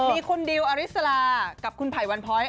มีคุณดิวอริสลากับคุณไผ่วันพ้อย